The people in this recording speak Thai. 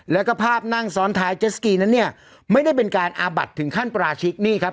แล้วก็ภาพนั่งซ้อนท้ายเจสสกีนั้นเนี่ยไม่ได้เป็นการอาบัดถึงขั้นปราชิกนี่ครับ